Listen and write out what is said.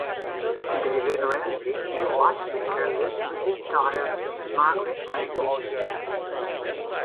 David Ramsay, a watchmaker, lives with his daughter Margaret on Fleet Street.